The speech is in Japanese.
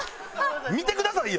見てくださいよ！